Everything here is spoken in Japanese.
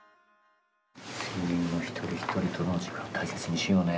１，０００人の一人一人との時間大切にしようね。